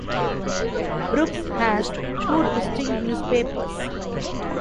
Brooks has two distinct newspapers.